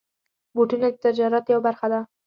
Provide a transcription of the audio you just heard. بوټونه د تجارت یوه برخه ده.